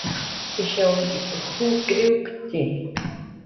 Ishaw jukriwktxi